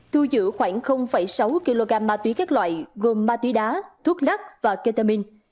thu giữ khoảng sáu kg ma túy các loại gồm ma túy đá thuốc lắc và ketamin